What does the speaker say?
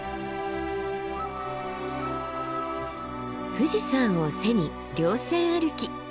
富士山を背に稜線歩き。